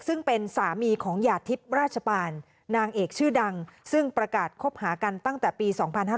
ซึ่งเป็นสามีของหยาดทิพย์ราชปานนางเอกชื่อดังซึ่งประกาศคบหากันตั้งแต่ปี๒๕๕๙